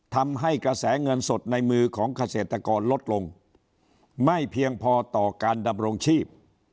ทำให้กระแสเงินสดในมือของเกษตรกรลดลงไม่เพียงพอต่อการดำรงชีพ